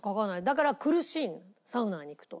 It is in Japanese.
だから苦しいのサウナに行くと。